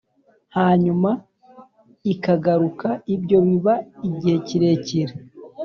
, hanyuma ikagaruka. Ibyo biba igihe kirekire